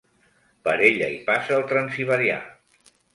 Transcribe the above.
Per ella hi passa el Transsiberià.